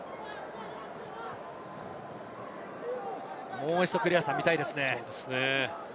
もう一度見たいですね。